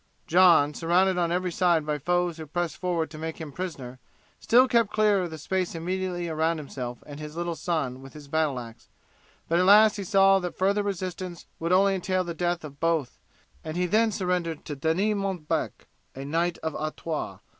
John, surrounded on every side by foes who pressed forward to make him prisoner, still kept clear the space immediately around himself and his little son with his battle axe; but at last he saw that further resistance would only entail the death of both, and he then surrendered to Denis de Montbec, a knight of Artois.